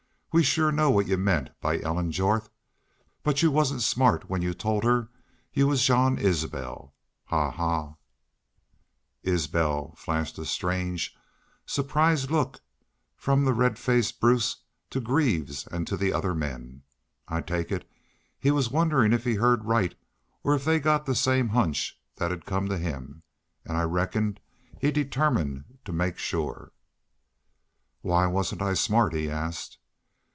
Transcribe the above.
We shore know what y'u meant by Ellen Jorth. But y'u wasn't smart when y'u told her y'u was Jean Isbel! ... Haw haw!' "Isbel flashed a strange, surprised look from the red faced Bruce to Greaves and to the other men. I take it he was wonderin' if he'd heerd right or if they'd got the same hunch thet 'd come to him. An' I reckon he determined to make sure. "'Why wasn't I smart?' he asked.